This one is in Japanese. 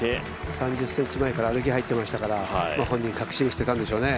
３０ｃｍ前から歩きに入っていましたから、本人、確信してたんでしょうね。